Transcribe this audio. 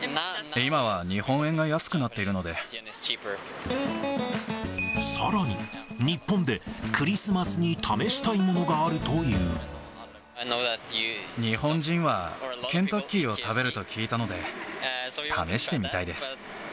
今は日本円が安くなっているさらに、日本でクリスマスに日本人はケンタッキーを食べると聞いたので、試してみたいです。